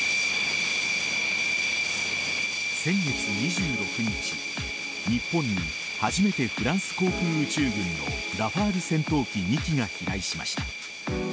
先月２６日日本に初めてフランス航空宇宙軍のラファール戦闘機２機が飛来しました。